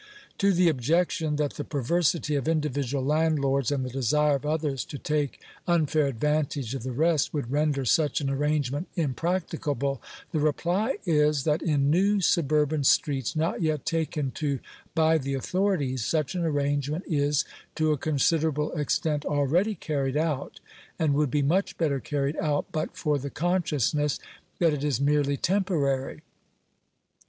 To the objection that the perversity of individual landlords* and the desire of others to take unfair advantage of the rest, would render such an arrangement, impracticable, the reply is that in new suburban streets not yet taken to by the authori ties such an arrangement is, to a considerable extent, already carried out, and would be much better carried out but for the consciousness that it is merely temporary.